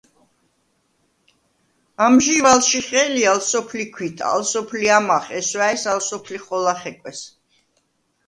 ამჟი̄ვ ალშიხე̄ლი ალ სოფლი ქვით, ალ სოფლი ამახვ, ჲესვა̄̈ჲს ალ სოფლი ხოლა ხეკვეს!